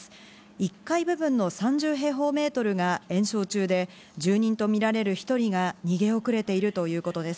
１階部分の３０平方メートルが延焼中で、住人とみられる１人が逃げ遅れているということです。